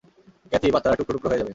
Kathy, বাচ্চারা টুকরো টুকরো হয়ে যাবে!